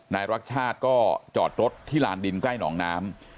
รักชาติก็จอดรถที่ลานดินใกล้หนองน้ำ